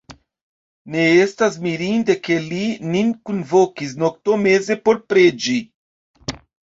Ne estas mirinde, ke li nin kunvokis noktomeze por preĝi.